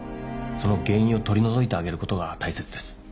その原因を取り除いてあげることが大切です。